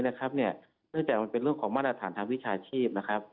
เนื่องจากมันเป็นเรื่องของมาตรฐานทางวิชาชีพนะครับ